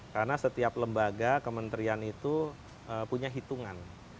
karena setiap lembaga kementerian itu punya hitungan